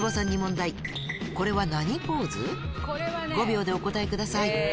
５秒でお答えください